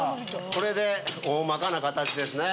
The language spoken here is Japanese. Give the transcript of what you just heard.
これで大まかな形ですね。